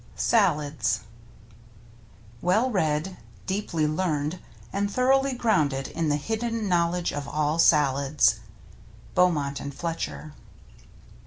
L 5^ >^ mi ^^ SALADS Well read, deeply learned and thoroughly grounded in the hidden knowledge of all salads. — Beaumont and Fletcher.